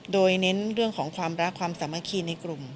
โดยเน้นเรื่องของความรักความสามัคคีในกลุ่ม